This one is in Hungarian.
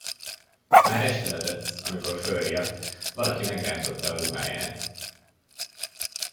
Már esteledett, amikor fölriadt: valaki megrántotta a ruháját.